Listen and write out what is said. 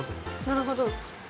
なるほど。